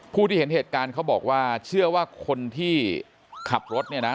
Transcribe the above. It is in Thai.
ผู้ที่เห็นเหตุการณ์เขาบอกว่าเชื่อว่าคนที่ขับรถเนี่ยนะ